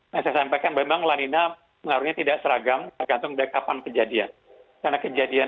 nah saya sampaikan memang lanina pengaruhnya tidak seragam tergantung dari kapan kejadian